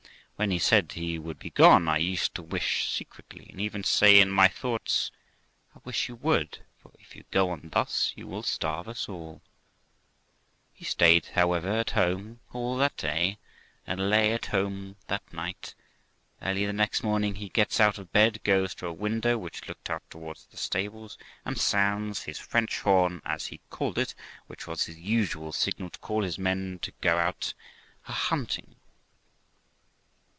When he had said he would be gone, I used to wish secretly, and even say in my thoughts, I wish you would, for if you go on thus you will starve us alL He stayed, however, at home all that day, and lay at home that night; early the next morning he gets out of bed, goes to a window which looked out towards the stable, and sounds his French horn, as he called it, which was his usual signal to call his men to go out a hunting.